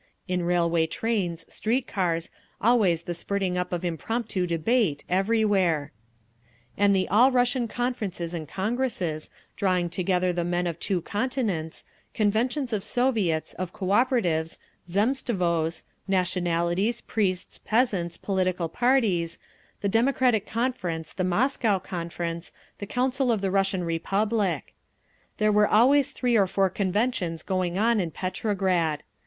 In railway trains, street cars, always the spurting up of impromptu debate, everywhere…. And the All Russian Conferences and Congresses, drawing together the men of two continents—conventions of Soviets, of Cooperatives, Zemstvos, nationalities, priests, peasants, political parties; the Democratic Conference, the Moscow Conference, the Council of the Russian Republic. There were always three or four conventions going on in Petrograd.